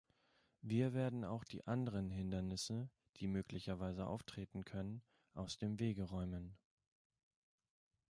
Wir werden auch die anderen Hindernisse, die möglicherweise auftreten können, aus dem Wege räumen.